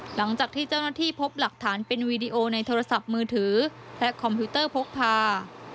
หลังจากที่เจ้าหน้าที่พบหลักฐานเป็นวีดีโอในโทรศัพท์มือถือและคอมพิวเตอร์พกพา